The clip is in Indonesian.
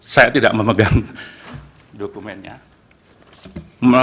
saya tidak memegang dokumennya